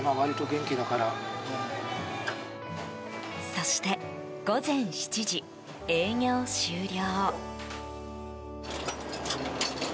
そして午前７時、営業終了。